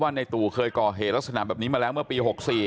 ในตู่เคยก่อเหตุลักษณะแบบนี้มาแล้วเมื่อปี๖๔